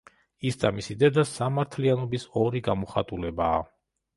ის და მისი დედა სამართლიანობის ორი გამოხატულებაა.